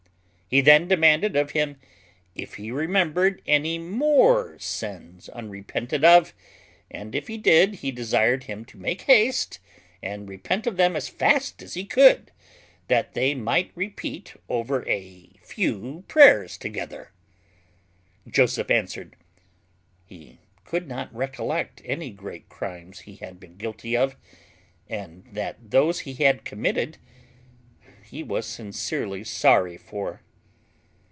He then demanded of him, "If he remembered any more sins unrepented of; and if he did, he desired him to make haste and repent of them as fast as he could, that they might repeat over a few prayers together." Joseph answered, "He could not recollect any great crimes he had been guilty of, and that those he had committed he was sincerely sorry for."